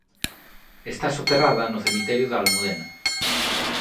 Está soterrada no Cemiterio da Almudena.